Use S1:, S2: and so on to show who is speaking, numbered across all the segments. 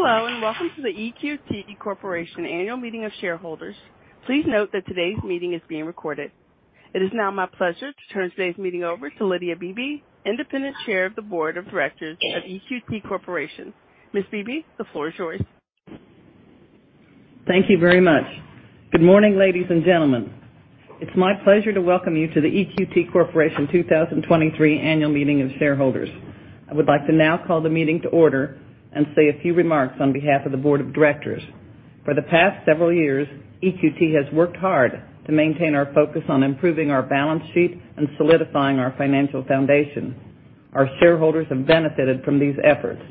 S1: Hello, welcome to the EQT Corporation Annual Meeting of Shareholders. Please note that today's meeting is being recorded. It is now my pleasure to turn today's meeting over to Lydia Beebe, Independent Chair of the Board of Directors of EQT Corporation. Ms. Beebe, the floor is yours.
S2: Thank you very much. Good morning, ladies and gentlemen. It's my pleasure to welcome you to the EQT Corporation 2023 Annual Meeting of Shareholders. I would like to now call the meeting to order and say a few remarks on behalf of the board of directors. For the past several years, EQT has worked hard to maintain our focus on improving our balance sheet and solidifying our financial foundation. Our shareholders have benefited from these efforts.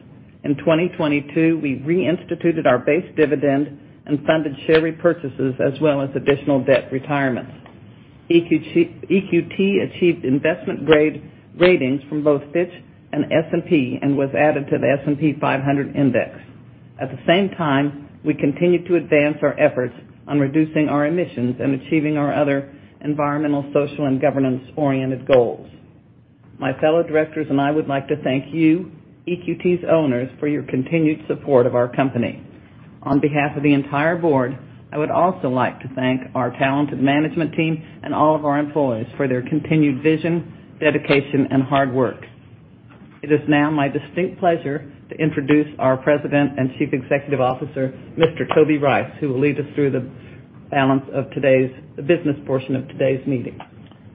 S2: In 2022, we reinstituted our base dividend and funded share repurchases as well as additional debt retirement. EQT achieved investment grade ratings from both Fitch and S&P and was added to the S&P 500 Index. At the same time, we continued to advance our efforts on reducing our emissions and achieving our other environmental, social, and governance-oriented goals. My fellow directors and I would like to thank you, EQT's owners, for your continued support of our company. On behalf of the entire board, I would also like to thank our talented management team and all of our employees for their continued vision, dedication, and hard work. It is now my distinct pleasure to introduce our President and Chief Executive Officer, Mr. Toby Rice, who will lead us through the balance of the business portion of today's meeting.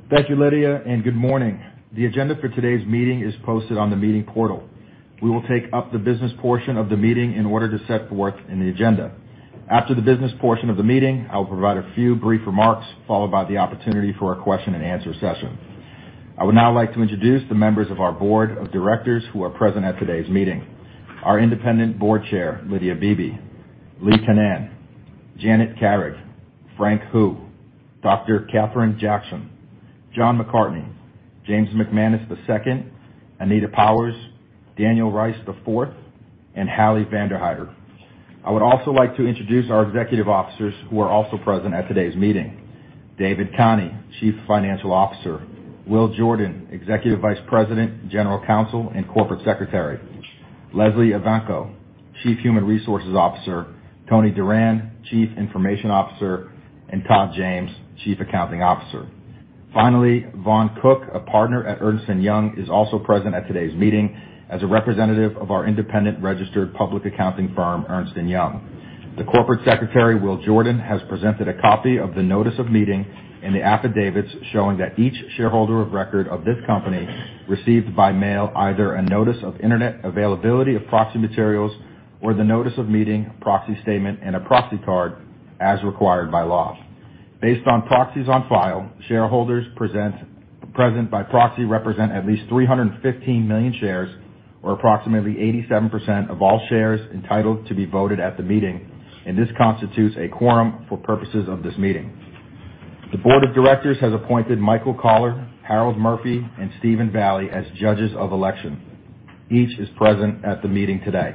S3: Thank you, Lydia. Good morning. The agenda for today's meeting is posted on the meeting portal. We will take up the business portion of the meeting in order to set forth in the agenda. After the business portion of the meeting, I will provide a few brief remarks, followed by the opportunity for a question-and-answer session. I would now like to introduce the members of our board of directors who are present at today's meeting. Our Independent Board Chair, Lydia Beebe, Lee Canaan, Janet Carrig, Frank Hu, Dr. Kathryn Jackson, John McCartney, James McManus II, Anita Powers, Daniel Rice IV, and Hallie Vanderhider. I would also like to introduce our executive officers who are also present at today's meeting. David Khani, Chief Financial Officer. Will Jordan, Executive Vice President, General Counsel, and Corporate Secretary. Lesley Evanko, Chief Human Resources Officer. Tony Duran, Chief Information Officer, and Todd James, Chief Accounting Officer. Finally, Vaughn Cook, a partner at Ernst & Young, is also present at today's meeting as a representative of our independent registered public accounting firm, Ernst & Young. The Corporate Secretary, Will Jordan, has presented a copy of the notice of meeting and the affidavits showing that each shareholder of record of this company received by mail either a notice of internet availability of proxy materials or the notice of meeting, proxy statement, and a proxy card as required by law. Based on proxies on file, shareholders present by proxy represent at least 315 million shares or approximately 87% of all shares entitled to be voted at the meeting, and this constitutes a quorum for purposes of this meeting. The board of directors has appointed Michael Caller, Harold Murphy, and Steven Valley as Judges of Election. Each is present at the meeting today.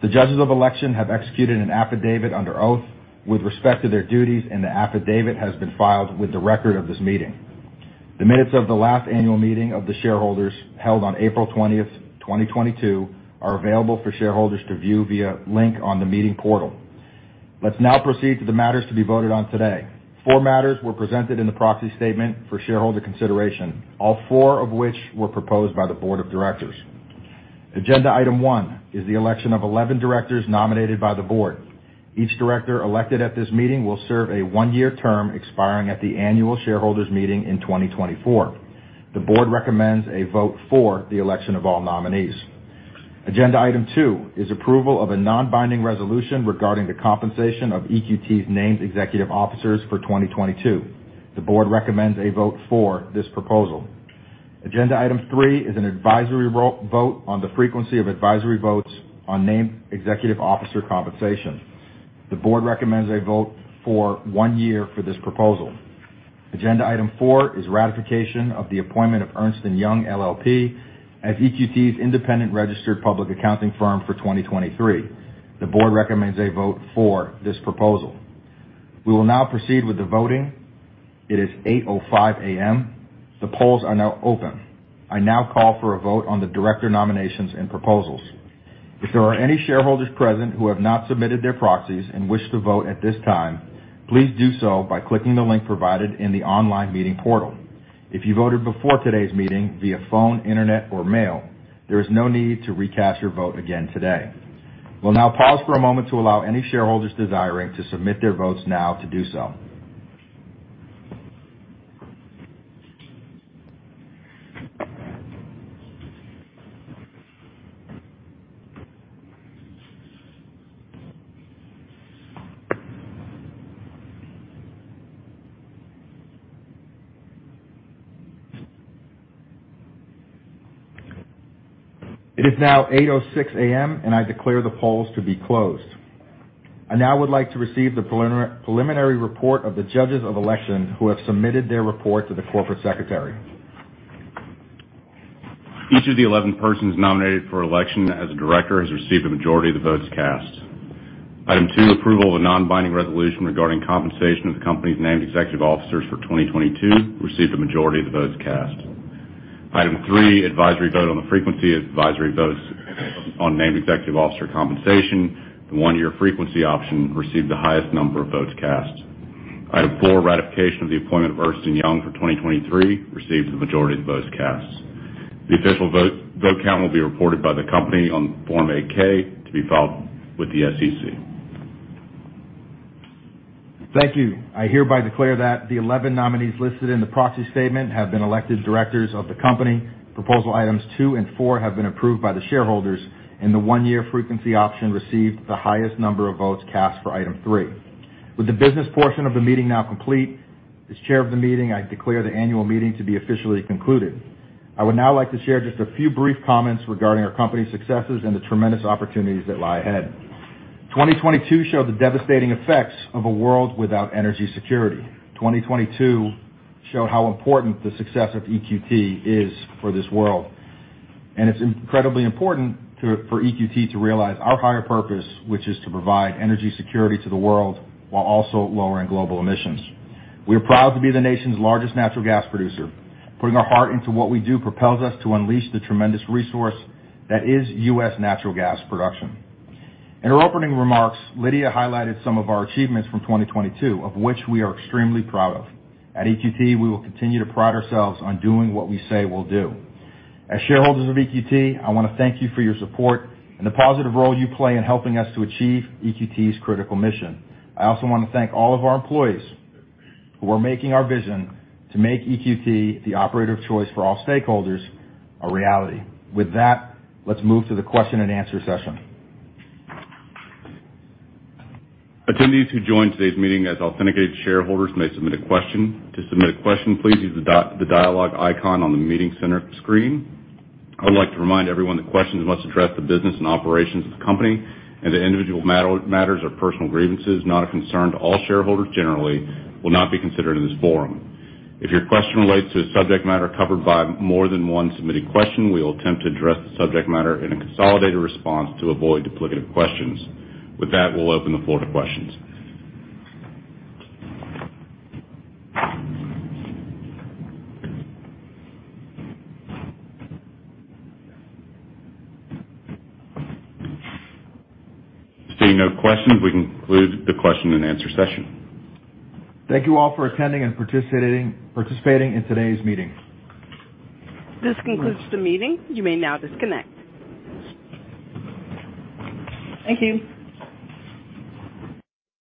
S3: The Judges of Election have executed an affidavit under oath with respect to their duties, and the affidavit has been filed with the record of this meeting. The minutes of the last annual meeting of the shareholders held on April 20th, 2022, are available for shareholders to view via link on the meeting portal. Let's now proceed to the matters to be voted on today. Four matters were presented in the proxy statement for shareholder consideration, all four of which were proposed by the board of directors. Agenda item one is the election of 11 directors nominated by the board. Each director elected at this meeting will serve a one-year term expiring at the annual shareholders meeting in 2024. The board recommends a vote for the election of all nominees. Agenda item two is approval of a non-binding resolution regarding the compensation of EQT's named executive officers for 2022. The board recommends a vote for this proposal. Agenda item three is an advisory vote on the frequency of advisory votes on named executive officer compensation. The board recommends a vote for one year for this proposal. Agenda item four is ratification of the appointment of Ernst & Young LLP as EQT's independent registered public accounting firm for 2023. The board recommends a vote for this proposal. We will now proceed with the voting. It is 8:05 A.M. The polls are now open. I now call for a vote on the director nominations and proposals. If there are any shareholders present who have not submitted their proxies and wish to vote at this time, please do so by clicking the link provided in the online meeting portal. If you voted before today's meeting via phone, internet or mail, there is no need to recast your vote again today. We'll now pause for a moment to allow any shareholders desiring to submit their votes now to do so. It is now 8:06 A.M., and I declare the polls to be closed. I now would like to receive the preliminary report of the Judges of Election who have submitted their report to the Corporate Secretary.
S4: Each of the 11 persons nominated for election as a director has received a majority of the votes cast. Item two, approval of a non-binding resolution regarding compensation of the company's named executive officers for 2022 received a majority of the votes cast. Item three, advisory vote on the frequency of advisory votes on named executive officer compensation. The 1-year frequency option received the highest number of votes cast. Item four, ratification of the appointment of Ernst & Young for 2023 received the majority of the votes cast. The official vote count will be reported by the company on Form 8-K to be filed with the SEC.
S3: Thank you. I hereby declare that the 11 nominees listed in the proxy statement have been elected directors of the company. Proposal items two and four have been approved by the shareholders, the 1-year frequency option received the highest number of votes cast for item three. With the business portion of the meeting now complete, as chair of the meeting, I declare the annual meeting to be officially concluded. I would now like to share just a few brief comments regarding our company's successes and the tremendous opportunities that lie ahead. 2022 showed the devastating effects of a world without energy security. 2022 showed how important the success of EQT is for this world, it's incredibly important for EQT to realize our higher purpose, which is to provide energy security to the world while also lowering global emissions. We are proud to be the nation's largest natural gas producer. Putting our heart into what we do propels us to unleash the tremendous resource that is U.S. natural gas production. In her opening remarks, Lydia highlighted some of our achievements from 2022 of which we are extremely proud of. At EQT, we will continue to pride ourselves on doing what we say we'll do. As shareholders of EQT, I want to thank you for your support and the positive role you play in helping us to achieve EQT's critical mission. I also want to thank all of our employees who are making our vision to make EQT the operator of choice for all stakeholders a reality. With that, let's move to the question-and-answer session.
S4: Attendees who joined today's meeting as authenticated shareholders may submit a question. To submit a question, please use the dialogue icon on the meeting center screen. I would like to remind everyone that questions must address the business and operations of the company, and the individual matters or personal grievances, not a concern to all shareholders generally will not be considered in this forum. If your question relates to a subject matter covered by more than one submitted question, we will attempt to address the subject matter in a consolidated response to avoid duplicative questions. With that, we'll open the floor to questions. Seeing no questions, we conclude the question-and-answer session.
S3: Thank you all for attending and participating in today's meeting.
S2: This concludes the meeting. You may now disconnect. Thank you.